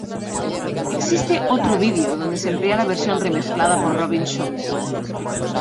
Existe otro video donde se emplea la versión remezclada por Robin Schulz.